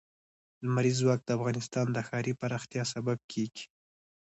لمریز ځواک د افغانستان د ښاري پراختیا سبب کېږي.